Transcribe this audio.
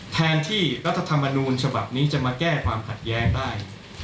แทนที่รัฐธรรมนูญฉบับนี้จะมาแก้ความขัดแย้งได้